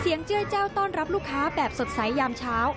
เจื้อยเจ้าต้อนรับลูกค้าแบบสดใสยามเช้า